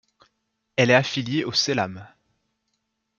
Elle est affiliée au Celam.